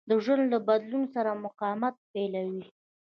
د ژوند له بدلون سره مقاومت پيلوي.